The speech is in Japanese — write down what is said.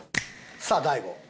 さあ大悟。